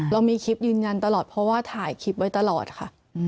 เรามีคลิปยืนยันตลอดเพราะว่าถ่ายคลิปไว้ตลอดค่ะ